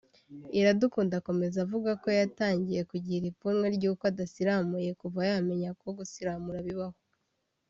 Iradukunda akomeza avuga ko yatangiye kugira ipfunwe ry’uko adasiramuye kuva yamenya ko gusiramura bibaho